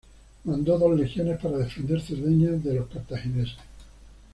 Mandó dos legiones para defender Cerdeña de los cartagineses.